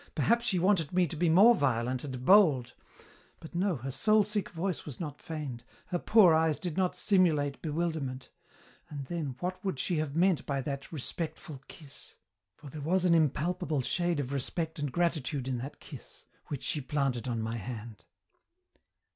Perhaps she wanted me to be more violent and bold but no, her soul sick voice was not feigned, her poor eyes did not simulate bewilderment, and then what would she have meant by that respectful kiss for there was an impalpable shade of respect and gratitude in that kiss which she planted on my hand!"